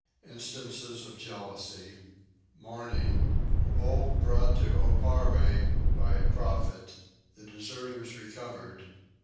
Instances of Jealousy. Mourning. Bull brought to Oparre by a Prophet. The Deserters recovered.